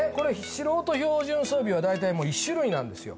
素人標準装備は大体もう１種類なんですよ